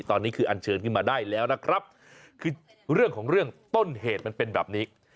ตอนนี้คืออันเชิญขึ้นมาได้แล้วนะครับคือเรื่องของเรื่องต้นเหตุมันเป็นแบบนี้